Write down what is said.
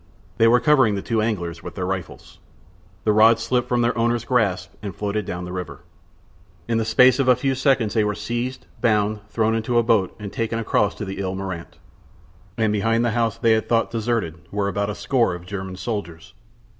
They were covering the two anglers with their rifles. The rods slipped from their owners' grasp and floated away down the river. In the space of a few seconds they were seized, bound, thrown into a boat, and taken across to the Ile Marante. And behind the house they had thought deserted were about a score of German soldiers.